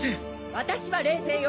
私は冷静よ！